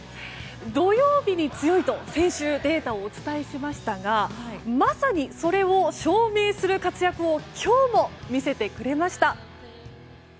土曜日に強いと、先週データをお伝えしましたがまさにそれを証明する活躍を今日も見せてくれました。